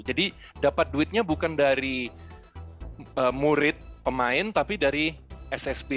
jadi dapat duitnya bukan dari murid pemain tapi dari ssb